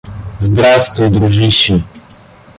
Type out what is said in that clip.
Здравствуй, дружище.